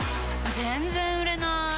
全然売れなーい。